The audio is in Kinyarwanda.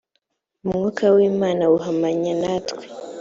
umwuka w imana uhamanya natwe